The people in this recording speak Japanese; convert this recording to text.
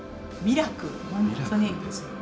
ミラクルですよ。